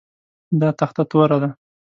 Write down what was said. دا تخته توره ده